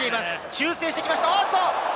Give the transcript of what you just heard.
修正してきました。